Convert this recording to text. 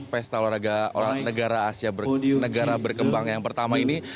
pesta olahraga negara asia negara berkembang yang pertama ini